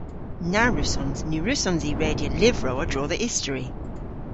Na wrussons. Ny wrussons i redya lyvrow a-dro dhe istori.